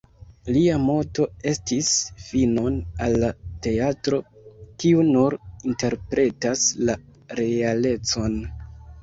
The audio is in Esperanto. Lia moto estis: "„Finon al la teatro, kiu nur interpretas la realecon!